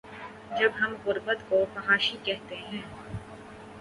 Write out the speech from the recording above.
جب ہم غربت کو فحاشی کہتے ہیں۔